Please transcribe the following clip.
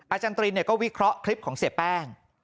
อาจารย์ตรีนก็วิเคราะห์คลิปของเสียแป้ง